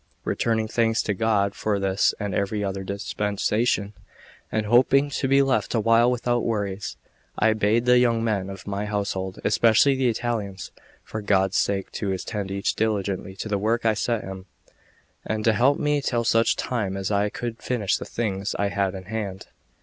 Returning thanks to God for this and every other dispensation, and hoping to be left awhile without worries, I bade the young men of my household, especially the Italians, for God's sake to attend each diligently to the work I set him, and to help me till such time as I could finish the things I had in hand.